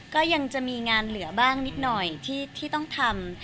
ก็ยังจะมีงานเหลือบ้างที่ต้องทำ